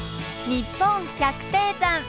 「にっぽん百低山」。